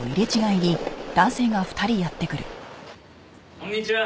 こんにちは。